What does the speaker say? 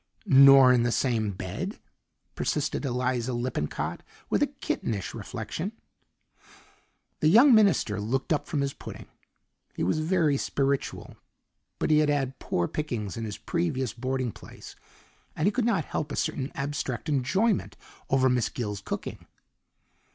"Nor in the same bed?" persisted Eliza Lippincott with a kittenish reflection. The young minister looked up from his pudding. He was very spiritual, but he had had poor pickings in his previous boarding place, and he could not help a certain abstract enjoyment over Miss Gill's cooking.